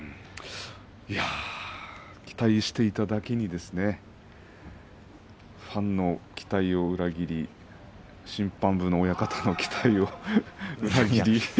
期待していただけにファンの期待を裏切り審判部の親方を裏切り。